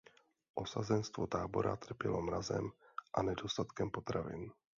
Osazenstvo tábora trpělo mrazem a nedostatkem potravin.